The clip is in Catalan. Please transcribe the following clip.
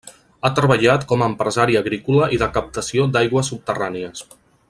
Ha treballat com a empresari agrícola i de captació d'aigües subterrànies.